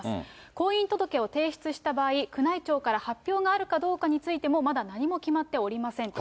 婚姻届を提出した場合、宮内庁から発表があるかどうかについても、まだ何も決まっておりませんと。